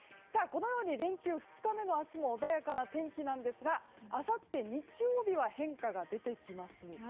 このように連休２日目の明日も穏やかな天気なんですがあさって日曜日は変化が出てきます。